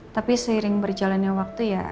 tapi seiring berjalannya waktu ya